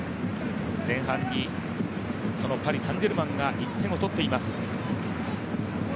前半にそのパリ・サン＝ジェルマンが１点を取っています。